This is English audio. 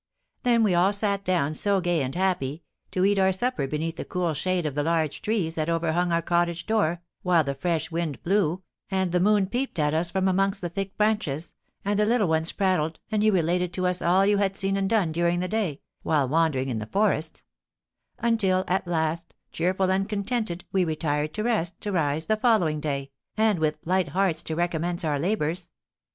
Then we all sat down so gay and happy, to eat our supper beneath the cool shade of the large trees that overhung our cottage door, while the fresh wind blew, and the moon peeped at us from amongst the thick branches, and the little ones prattled and you related to us all you had seen and done during the day, while wandering in the forests; until, at last, cheerful and contented, we retired to rest, to rise the following day, and with light hearts to recommence our labours.